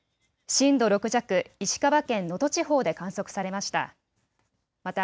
震度６弱、石川県能登地方で観測されました。